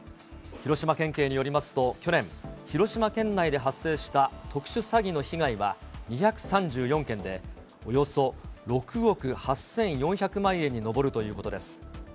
広島県警によりますと、去年、広島県内で発生した特殊詐欺の被害は２３４件で、およそ６億８４００万円に上るということです。